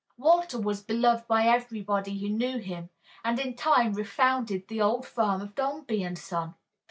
Walter was beloved by everybody who knew him, and in time refounded the old firm of Dombey and Son.